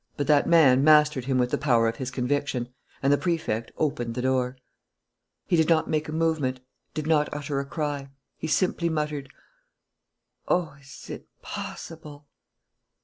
But that man mastered him with the power of his conviction; and the Prefect opened the door. He did not make a movement, did not utter a cry. He simply muttered: "Oh, is it possible!